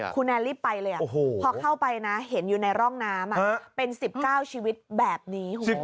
ครูแนนรีบไปเลยอ่ะพอเข้าไปนะเห็นอยู่ในร่องน้ำเป็น๑๙ชีวิตแบบนี้